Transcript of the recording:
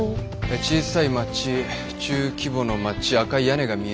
小さい町中規模の町赤い屋根が見えて。